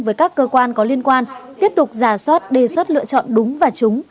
với các cơ quan có liên quan tiếp tục giả soát đề soát lựa chọn đúng và chúng